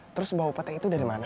terus bau pate itu dari mana